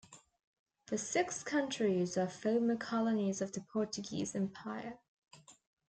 The six countries are former colonies of the Portuguese Empire.